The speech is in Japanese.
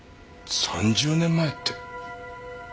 ３０年前って。